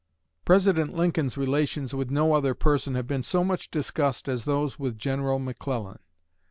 President Lincoln's relations with no other person have been so much discussed as those with General McClellan.